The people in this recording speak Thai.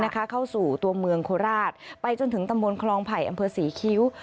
เข้าสู่ตัวเมืองโคราชไปจนถึงตำบลคลองไผ่อำเภอศรีคิ้ว